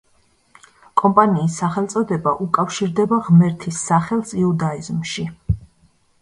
კომპანიის სახელწოდება უკავშირდება ღმერთის სახელს იუდაიზმში.